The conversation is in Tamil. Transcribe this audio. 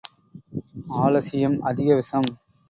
ஆலசியம் அதிக விஷம்.